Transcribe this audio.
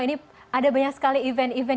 ini ada banyak sekali event event